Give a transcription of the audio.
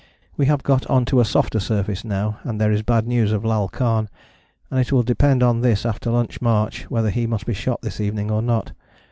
We have got on to a softer surface now and there is bad news of Lal Khan, and it will depend on this after lunch march whether he must be shot this evening or not.